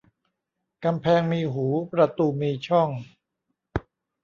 กำแพงมีหูประตูมีช่อง